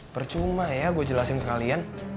percuma ya gue jelasin ke kalian